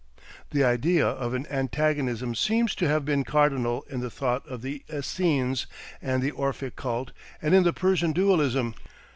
The idea of an antagonism seems to have been cardinal in the thought of the Essenes and the Orphic cult and in the Persian dualism.